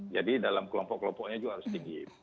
jadi dalam kelompok kelompoknya juga harus tinggi